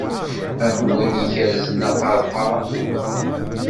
Am win ikerrzen aqerqaṛ.